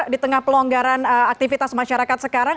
di tengah pelonggaran aktivitas masyarakat sekarang